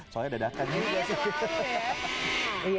soalnya ada dakan juga sih